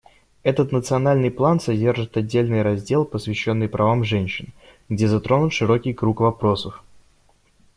Этот национальный план содержит отдельный раздел, посвященный правам женщин, где затронут широкий круг вопросов.